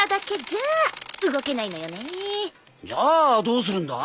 じゃあどうするんだ？